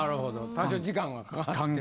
多少時間がかかった。